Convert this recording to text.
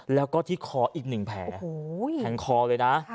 แล้วก็ที่คออีก๑แผลแทงคอเลยนะ